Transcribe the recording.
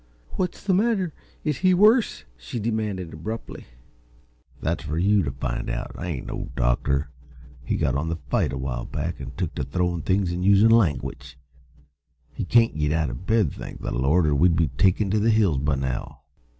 "What's the matter? Is he worse?" she demanded, abruptly. "That's fer you t' find out. I ain't no doctor. He got on the fight, a while back, an' took t' throwin' things an' usin' langwidge. He can't git out uh bed, thank the Lord, or we'd be takin' t' the hills by now."